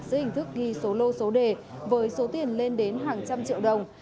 giữa hình thức ghi số lô số đề với số tiền lên đến hàng trăm triệu đồng